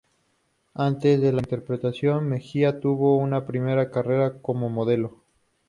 Antes de la interpretación, Mejia tuvo una primera carrera como modelo.